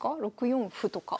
６四歩とか。